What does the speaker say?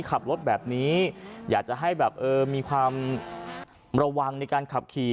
ขับรถแบบนี้อยากจะให้แบบเออมีความระวังในการขับขี่